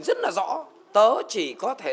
rất là rõ tớ chỉ có thể